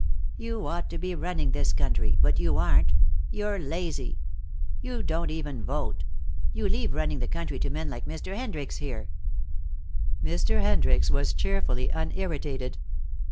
You ought to be running this country, but you aren't. You're lazy. You don't even vote. You leave running the country to men like Mr. Hendricks here." Mr. Hendricks was cheerfully unirritated.